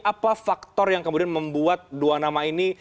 apa faktor yang kemudian membuat dua nama ini